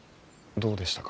どうでしたか？